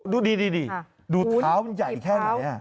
ดูดีดูเท้ามันใหญ่แค่ไหน